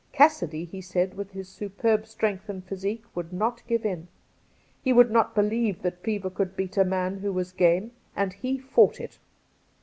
Cassidy, he said, with his superb strength and physique would not give in. He would not believe that fever could beat a man who was game, and he fought it.